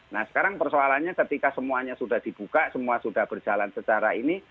nah sekarang persoalannya ketika semuanya sudah dibuka semua sudah berjalan secara ini